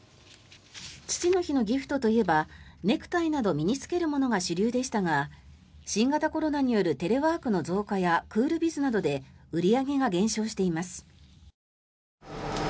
父の日のギフトといえばネクタイなど身に着けるものが主流でしたが新型コロナによるテレワークの増加やクールビズなどで売り上げが減少しています。